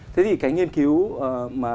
thế thì cái nghiên cứu mà